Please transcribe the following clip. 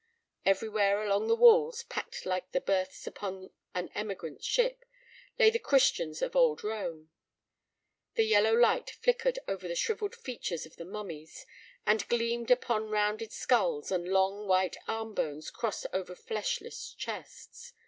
Everywhere along the walls, packed like the berths upon an emigrant ship, lay the Christians of old Rome. The yellow light flickered over the shrivelled features of the mummies, and gleamed upon rounded skulls and long, white armbones crossed over fleshless chests.